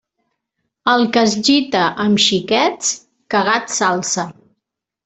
El que es gita amb xiquets, cagat s'alça.